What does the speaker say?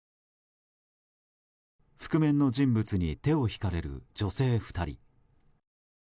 覆面の人物に手を引かれる女性２人。